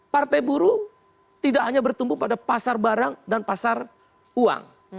partai buruh tidak hanya bertumbuh pada pasar barang dan pasar uang